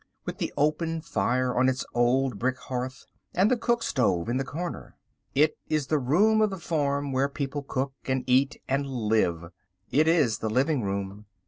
—with the open fire on its old brick hearth, and the cook stove in the corner. It is the room of the farm where people cook and eat and live. It is the living room.